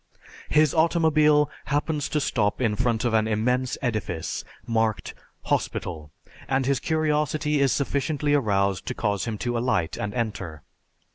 His automobile happens to stop in front of an immense edifice marked "Hospital," and his curiosity is sufficiently aroused to cause him to alight and enter.